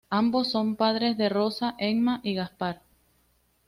Ambos son padres de Rosa, Ema y Gaspar.